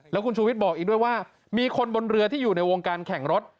แล้วคุณชูวิทย์บอกอีกด้วยว่ามีคนบนเรือที่อยู่ในวงการแข่งรถ